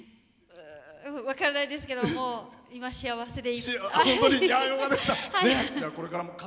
分からないですけど今、幸せで。